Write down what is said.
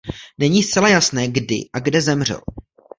Není zcela jasné kdy a kde zemřel.